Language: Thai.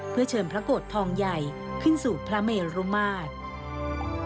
เพื่อเชิญพระโกรธทองใหญ่ขึ้นสู่พระเมรุมาตร